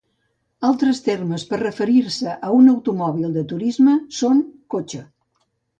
Altres termes per referir-se a un automòbil de turisme són cotxe.